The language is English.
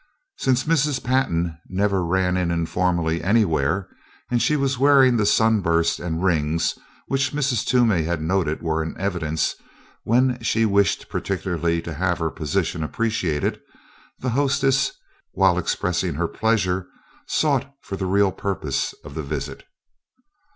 Since Mrs. Pantin never ran in informally anywhere, and she was wearing the sunburst and rings which Mrs. Toomey had noted were in evidence when she wished particularly to have her position appreciated, the hostess, while expressing her pleasure, sought for the real purpose of the visit.